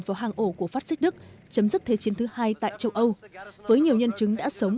vào hàng ổ của phát xích đức chấm dứt thế chiến thứ hai tại châu âu với nhiều nhân chứng đã sống